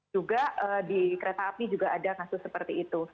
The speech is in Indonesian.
juga di kereta api juga ada kasus seperti itu